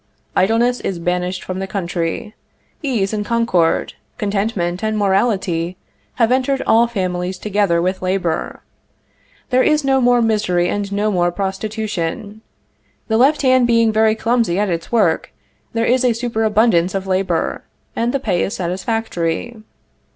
Idleness is banished from the country; ease and concord, contentment and morality, have entered all families together with labor; there is no more misery and no more prostitution. The left hand being very clumsy at its work, there is a superabundance of labor, and the pay is satisfactory.